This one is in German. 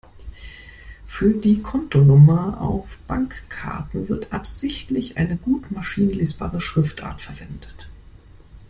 Für die Kontonummer auf Bankkarten wird absichtlich eine gut maschinenlesbare Schriftart verwendet.